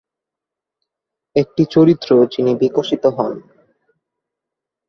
একটি চরিত্র যিনি বিকশিত হন।